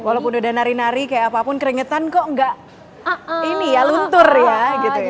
walaupun udah nari nari kayak apapun keringetan kok gak ini ya luntur ya gitu